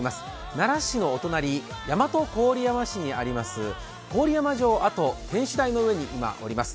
奈良市のお隣大和郡山市にあります、郡山城跡、天守台の上にいます。